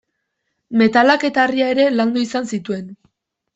Metalak eta harria ere landu izan zituen.